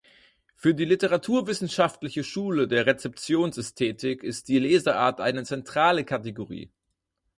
Für die literaturwissenschaftliche Schule der Rezeptionsästhetik ist die Lesart eine zentrale Kategorie.